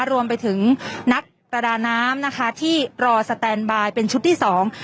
รวมไปถึงนักประดาน้ำนะคะที่รอสแตนบายเป็นชุดที่สอง